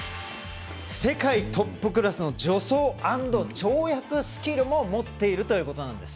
世界トップクラスの助走＆跳躍スキルも持っているということなんです。